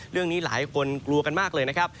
เรื่องนี้หลายคนกลัวกันมากเลยนะครับ